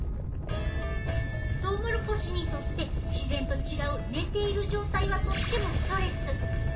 トウモロコシにとって自然と違う寝ている状態はとってもストレス。